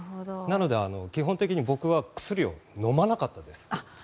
なので、基本的に僕は薬を飲まなかったです。